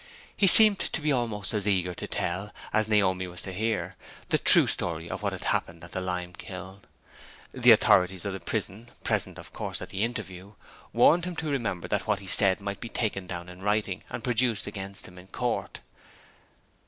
He seemed to be almost as eager to tell, as Naomi was to hear, the true story of what had happened at the lime kiln. The authorities of the prison present, of course, at the interview warned him to remember that what he said might be taken down in writing, and produced against him in court.